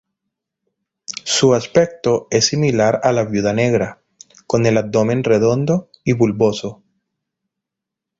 Su aspecto es similar a la viuda negra, con el abdomen redondo y bulboso.